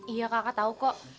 iya kakak tau kok